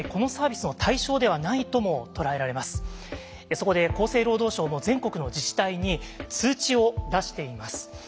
そこで厚生労働省も全国の自治体に通知を出しています。